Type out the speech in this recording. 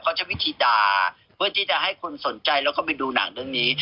เขาใช้วิธีด่าเพื่อที่จะให้คนสนใจแล้วก็ไปดูหนังเรื่องนี้